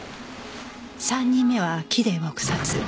３人目は木で撲殺。